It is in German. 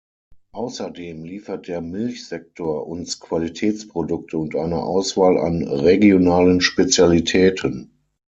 Außerdem liefert der Milchsektor uns Qualitätsprodukte und eine Auswahl an regionalen Spezialitäten.